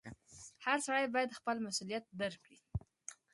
• هر سړی باید خپل مسؤلیت درک کړي.